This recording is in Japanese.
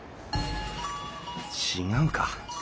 違うか。